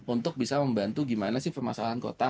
untuk bisa membantu gimana sih permasalahan kota